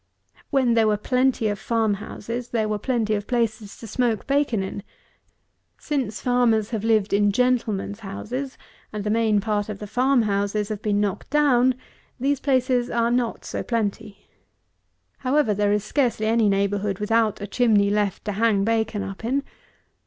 When there were plenty of farm houses there were plenty of places to smoke bacon in; since farmers have lived in gentleman's houses, and the main part of the farm houses have been knocked down, these places are not so plenty. However, there is scarcely any neighbourhood without a chimney left to hang bacon up in.